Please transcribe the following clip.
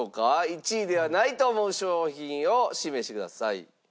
１位ではないと思う商品を指名してください。